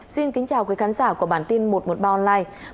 xin kính chào quý khán giả của bản tin một trăm một mươi ba online